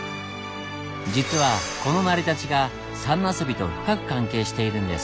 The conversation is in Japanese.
実はこの成り立ちが「三茄子」と深く関係しているんです。